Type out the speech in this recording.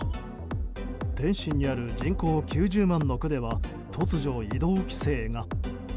天津にある人口９０万の区では突如、移動規制が。